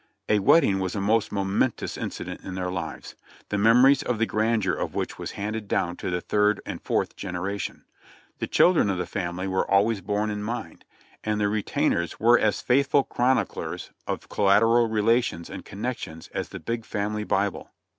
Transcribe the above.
A wedding was a most momentous incident in their lives, the memories of the grandeur of which was handed down to the third and fourth generation. The children of the family were always borne in mind, and the retainers were as faithful chron iclers of collateral relations and connections as the big family Bible.